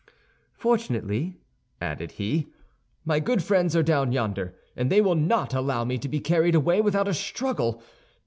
"Fortunately," added he, "my good friends are down yonder, and they will not allow me to be carried away without a struggle.